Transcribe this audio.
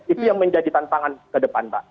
itu yang menjadi tantangan ke depan mbak